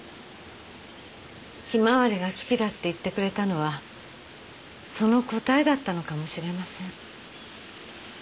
ひまわりが好きだって言ってくれたのはその答えだったのかもしれません。